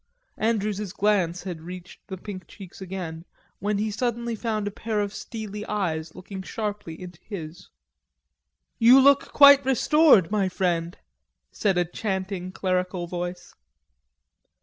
Andrews' glance had reached the pink cheeks again, when he suddenly found a pair of steely eyes looking sharply into his. "You look quite restored, my friend," said a chanting clerical voice.